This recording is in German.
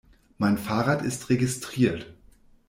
Mein Fahrrad ist registriert.